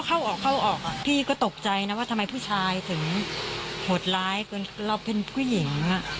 ไม่เขาก็เข้าออกพี่ก็ตกใจนะว่าทำไมผู้ชายถึงหดร้ายกว่าเราเป็นผู้หญิง